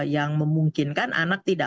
yang memungkinkan anak tidak